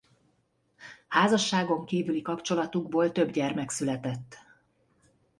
Házasságon kívüli kapcsolatukból több gyermek született.